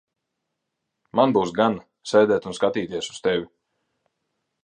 Man būs gana sēdēt un skatīties uz tevi.